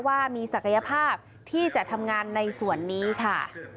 ว่ามีศักยภาพที่จะทำงานในส่วนนี้ค่ะ